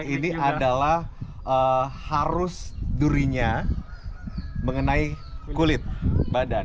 ini adalah harus durinya mengenai kulit badan